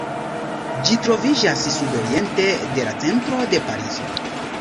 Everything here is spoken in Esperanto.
Ĝi troviĝas sudoriente de la centro de Parizo.